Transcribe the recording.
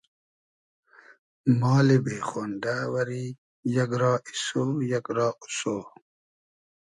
مالی بې خۉندۂ وئری یئگ را ایسۉ , یئگ را اوسۉ